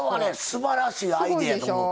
すばらしいアイデアと思う。